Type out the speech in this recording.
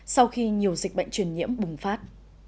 sau khi nhiều dịch bệnh truyền nhiễm bùng phát